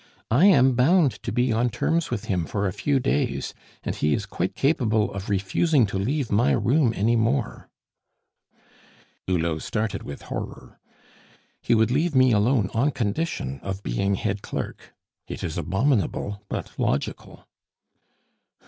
I am bound to be on terms with him for a few days, and he is quite capable of refusing to leave my room any more." Hulot started with horror. "He would leave me alone on condition of being head clerk. It is abominable but logical."